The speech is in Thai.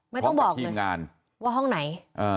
ไม่ต้องบอกเลยว่าห้องไหน